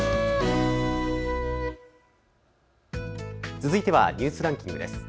続いてはニュースランキングです。